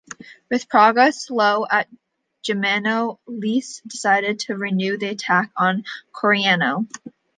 With progress slow at Gemmano, Leese decided to renew the attack on Coriano.